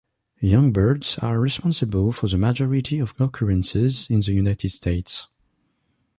Young birds are responsible for the majority of occurrences in the United States.